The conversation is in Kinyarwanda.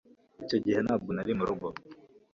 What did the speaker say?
icyo gihe ntabwo nari murugo